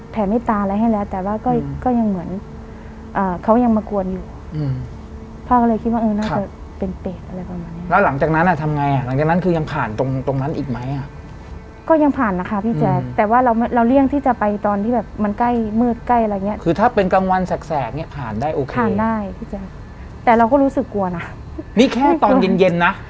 พ่อก็เลยคิดว่าเออน่าจะเป็นเป็ดอะไรประมาณเนี้ยแล้วหลังจากนั้นอ่ะทำไงอ่ะหลังจากนั้นคือยังผ่านตรงตรงนั้นอีกไหมอ่ะก็ยังผ่านนะคะพี่แจ๊กอืมแต่ว่าเราเราเลี่ยงที่จะไปตอนที่แบบมันใกล้มืดใกล้อะไรอย่างเงี้ยคือถ้าเป็นกลางวันแสกแสกเนี้ยผ่านได้โอเคผ่านได้พี่แจ๊กแต่เราก็รู้สึกกลัวนะนี่แค่ตอนเย็น